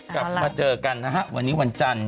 กลับมาเจอกันนะฮะวันนี้วันจันทร์